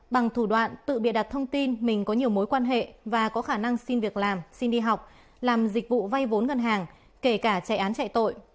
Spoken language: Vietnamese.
bằng thủ đoạn tự bịa đặt thông tin mình có nhiều mối quan hệ và có khả năng xin việc làm xin đi học làm dịch vụ vay vốn ngân hàng kể cả chạy án chạy tội